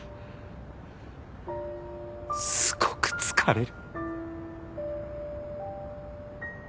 すごく疲れる。